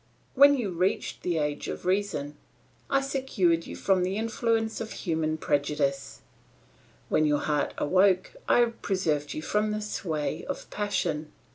"When you reached the age of reason, I secured you from the influence of human prejudice; when your heart awoke I preserved you from the sway of passion.